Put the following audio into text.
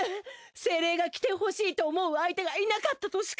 精霊が着てほしいと思う相手がいなかったとしか。